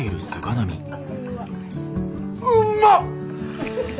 うんまっ！